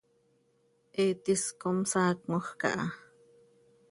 He tis com saacmoj caha.